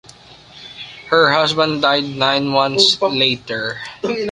Her husband died nine months later.